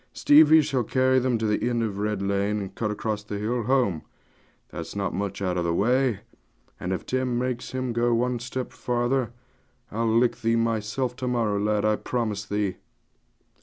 'Stevie shall carry them to the end of Red Lane, and cut across the hill home: that's not much out of the way; and if Tim makes him go one step farther, I'll lick thee myself to morrow, lad, I promise thee.'